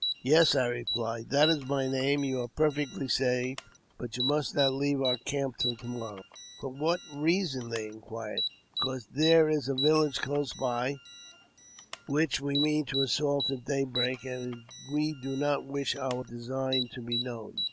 " Yes," I replied, " that is my name. You are perfectly safe, but you must not leave our camp till to morrow." JAMES P. BECKWOUBTH. 159 " For what reason ?" they inquired. "Because there is a village close by which we mean to assault at daybreak, and we do not wish our design to be known."